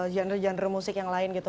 genre genre musik yang lain gitu